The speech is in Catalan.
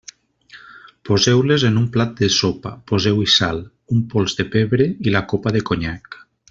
Poseu-les en un plat de sopa, poseu-hi sal, un pols de pebre i la copa de conyac.